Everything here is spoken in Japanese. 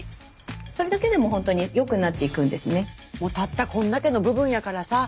それだけでも本当によくなっていくんですね。